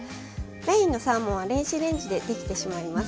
メインのサーモンは電子レンジでできてしまいます。